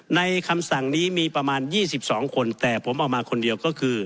คำสั่งนี้มีประมาณ๒๒คนแต่ผมออกมาคนเดียวก็คือ